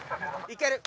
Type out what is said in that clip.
いける！